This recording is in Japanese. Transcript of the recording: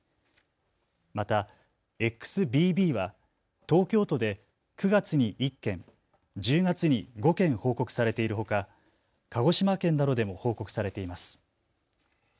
またＸＢＢは東京都で９月に１件、１０月に５件報告されているほか、鹿児島県などでも報告されています。